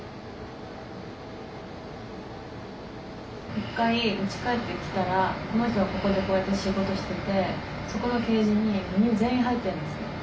一回うち帰ってきたらこの人がここでこうやって仕事しててそこのケージに全員入ってるんですよね。